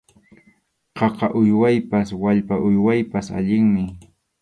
Khaka uywaypas wallpa uywaypas allinmi.